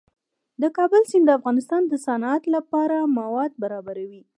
د کابل سیند د افغانستان د صنعت لپاره مواد برابروي.